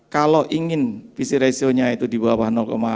kalau ingin visi ratio nya itu di bawah lima